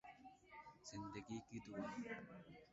زندگی کی دعا